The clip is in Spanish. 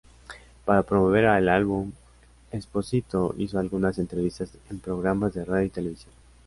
Para promover el álbum, Espósito hizo algunas entrevistas en programas de radio y televisión.